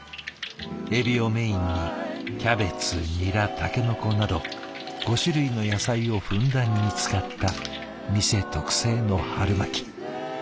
エビをメインにキャベツニラタケノコなど５種類の野菜をふんだんに使った店特製の春巻き。